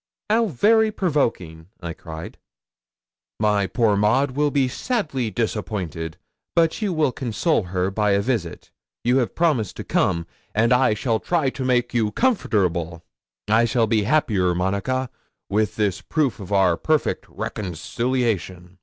'"How very provoking!" cried I. '"My poor Maud will be sadly disappointed, but you will console her by a visit you have promised to come, and I shall try to make you comfortable. I shall be happier, Monica, with this proof of our perfect reconciliation.